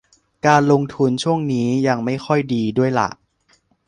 การลงทุนช่วงนี้ยังไม่ค่อยดีด้วยล่ะ